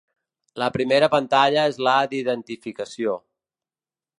La primera pantalla és la d’identificació.